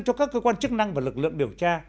cho các cơ quan chức năng và lực lượng điều tra